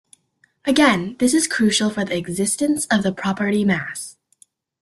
Again, this is crucial for the existence of the property "mass".